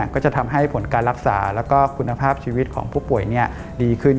ก็จะทำให้ผลการรักษาแล้วก็คุณภาพชีวิตของผู้ป่วยดีขึ้น